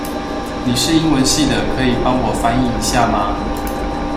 你是英文系的，可以幫我翻譯一下嗎？